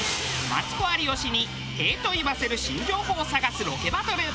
マツコ有吉に「へぇ」と言わせる新情報を探すロケバトル。